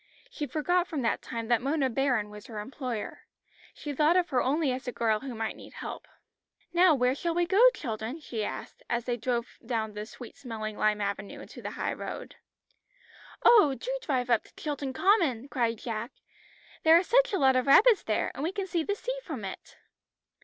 She forgot from that time that Mona Baron was her employer, she thought of her only as a girl who might need help. "Now where shall we go, children?" she asked, as they drove down the sweet smelling lime avenue into the high road. "Oh, do drive up to Chilton Common," cried Jack; "there are such a lot of rabbits there, and we can see the sea from it."